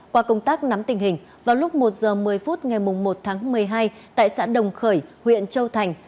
qua công tác nắm tình hình vào lúc một h một mươi phút ngày một tháng một mươi hai tại xã đồng khởi huyện châu thành